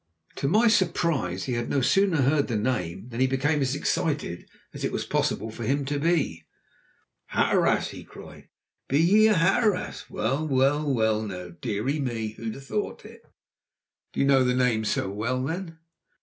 To my surprise, he had no sooner heard the name than he became as excited as it was possible for him to be. "Hatteras!" he cried. "Be ye a Hatteras? Well, well, now, dearie me, who'd ha' thought it!" "Do you know the name so well, then?"